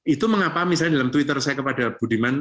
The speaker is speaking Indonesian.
itu mengapa misalnya dalam twitter saya kepada budiman